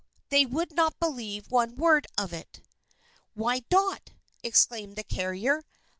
they would not believe one word of it!" "Why, Dot!" exclaimed the carrier.